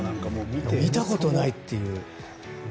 見たことないっていう。